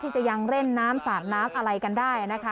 จะยังเล่นน้ำสาดน้ำอะไรกันได้นะคะ